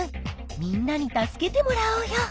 みんなに助けてもらおうよ。